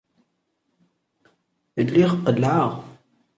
Lliɣ qellɛeɣ.